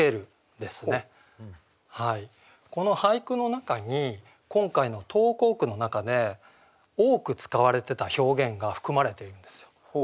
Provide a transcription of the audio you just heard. この俳句の中に今回の投稿句の中で多く使われてた表現が含まれているんですよ。